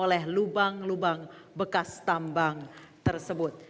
oleh lubang lubang bekas tambang tersebut